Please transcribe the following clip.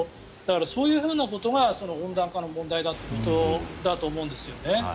そういうことが温暖化の問題だってことだと思うんです。